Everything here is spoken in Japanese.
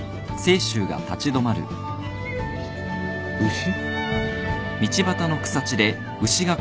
・牛？